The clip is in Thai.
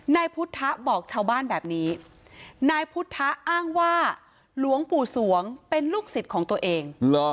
นายพุทธบอกชาวบ้านแบบนี้นายพุทธะอ้างว่าหลวงปู่สวงเป็นลูกศิษย์ของตัวเอง